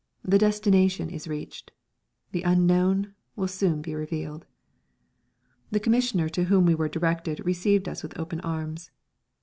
The destination is reached. The Unknown will soon be revealed. The Commissioner to whom we were directed received us with open arms.